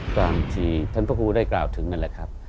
ตามที่ท่านพระครูได้กล่าวถึงนั่นแหละครับ